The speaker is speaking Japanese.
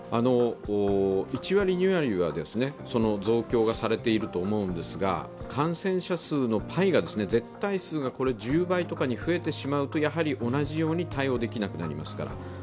１２割は増強されていると思うんですが、感染者数のパイが、絶対数が１０倍とかに増えてしまうとやはり同じように対応できなくなりますから。